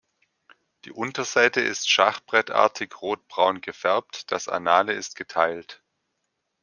Die Unterseite ist schachbrettartig rotbraun gefärbt, das Anale ist geteilt.